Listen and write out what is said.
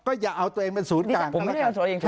ก็อย่าเอาตัวเองเป็นศูนย์กลาง